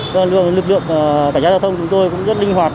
nên lực lượng cảnh giá giao thông của chúng tôi cũng rất linh hoạt